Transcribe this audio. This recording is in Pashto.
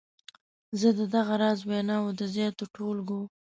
زه د دغه راز ویناوو د زیاتو ټولګو.